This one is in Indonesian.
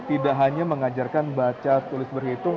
tidak hanya mengajarkan baca tulis berhitung